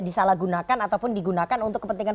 disalahgunakan ataupun digunakan untuk kepentingan